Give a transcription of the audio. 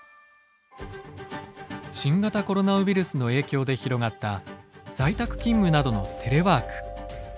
新型コロナウイルスの影響で広がった在宅勤務などの「テレワーク」。